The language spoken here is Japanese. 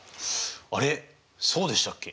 あれそうでしたっけ？